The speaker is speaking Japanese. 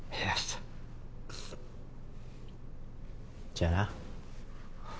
じゃあな。